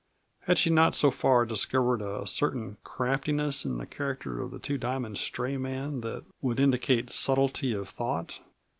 Had she not so far discovered a certain craftiness in the character of the Two Diamond stray man that would indicate subtlety of thought?